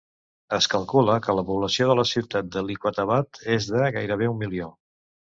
Es calcula que la població de la ciutat de Liaquatabad és de gairebé un milió.